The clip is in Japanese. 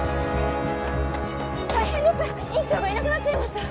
大変です院長がいなくなっちゃいました。